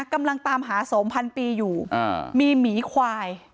กำลังตามหาสมพันปีอยู่มีหมีควาย